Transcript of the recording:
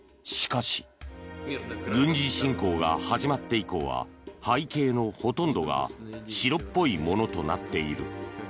しかし軍事侵攻が始まって以降は背景のほとんどが白っぽいものとなっている。